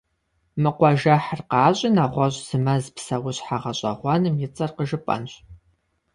Мы къуажэхьыр къащӀи нэгъуэщӀ зы мэз псэущхьэ гъэщӀэгъуэным и цӀэр къыжыпӀэнщ.